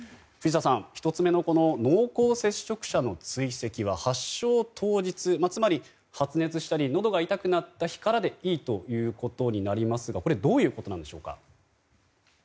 藤田さん、１つ目の濃厚接触者の追跡は発症当日つまり発熱したりのどが痛くなった日からでいいということになりますがこれはどういうことなんでしょうか。